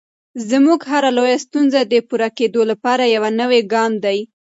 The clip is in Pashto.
زموږ هره لویه ستونزه د پورته کېدو لپاره یو نوی ګام دی.